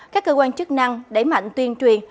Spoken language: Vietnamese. các cơ quan chức năng đẩy mạnh tuyên truyền